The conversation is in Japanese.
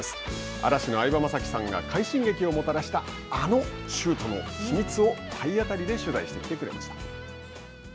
嵐の相葉雅紀さんが快進撃をもたらしたあのシュートの秘密を体当たりで取材してきてくれました。